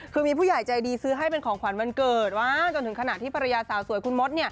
คือมีผู้ใหญ่ใจดีซื้อให้เป็นของขวัญวันเกิดว่าจนถึงขณะที่ภรรยาสาวสวยคุณมด